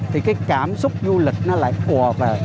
thì cái cảm xúc du lịch nó lại ùa về